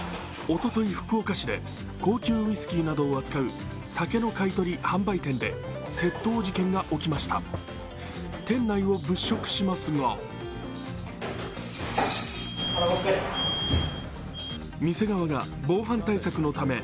おととい、福岡市で高級ウイスキーなどを扱う、酒の買い取り・販売店で窃盗事件が起きました。